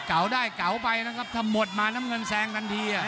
เก่าได้เก๋าไปนะครับถ้าหมดมาน้ำเงินแซงทันที